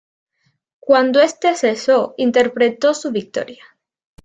Cuando este cesó, interpretó su victoria.